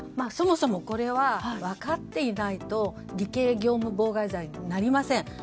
そもそもこれは分かっていないと偽計業務妨害罪になりません。